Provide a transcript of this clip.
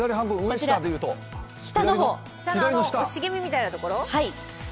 下の茂みみたいなところ？